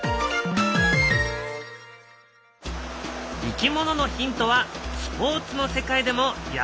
いきもののヒントはスポーツの世界でも役立っている。